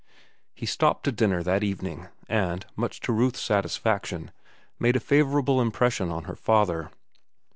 He stopped to dinner that evening, and, much to Ruth's satisfaction, made a favorable impression on her father.